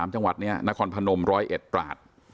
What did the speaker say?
๓จังหวัดนี้นครพนม๑๐๑ตราด